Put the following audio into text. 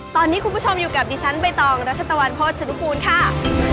ตอนนี้คุณผู้ชมอยู่กับดิฉันใบตองรัชตะวันโภชนุกูลค่ะ